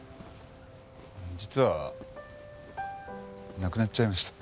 実はなくなっちゃいました。